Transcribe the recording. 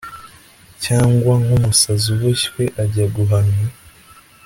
Cyangwa nkumusazi uboshywe ajya guhanwa